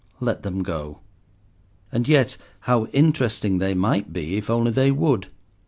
Let them go. And yet how interesting they might be, if only they would.